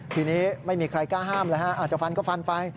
ทีนี้ไม่มีใครกล้าห้ามเลยฮะอาจจะฟันก็ฟันไป